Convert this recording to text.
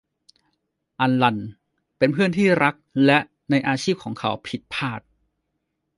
อัลลันเป็นเพื่อนที่รักและในอาชีพของเขาผิดพลาด